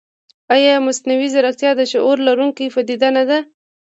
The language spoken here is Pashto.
ایا مصنوعي ځیرکتیا د شعور لرونکې پدیده نه ده؟